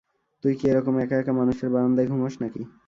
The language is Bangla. তুই কি এরকম এক-একা মানুষের বারান্দায় ঘুমোস নাকি?